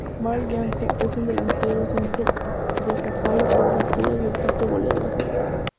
Marc Janko es un delantero centro destacable por su altura y olfato goleador.